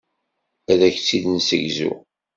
Ad ak-tt-id-nessegzu.